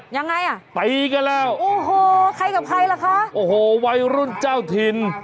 ยังไงอ่ะตีกันแล้วโอ้โหใครกับใครล่ะคะโอ้โหวัยรุ่นเจ้าถิ่น